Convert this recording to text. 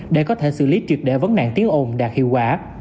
để có thể xử lý truyệt đẽ vấn nạn tiếng ồn đạt hiệu quả